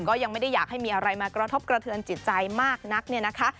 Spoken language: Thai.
ก็ยังไม่ได้อยากให้มีอะไรมากระทบกระเทินจิตใจมากนัก